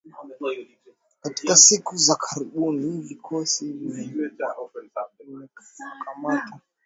Katika siku za karibuni vikosi vimewakamata waandamanaji wengi , vikilenga viongozi katika makundi pinzani.